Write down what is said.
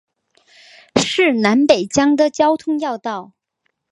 是南北疆的交通要道。